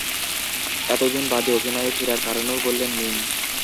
এত দিন বাদে অভিনয়ে ফেরার কারণও বললেন মীম।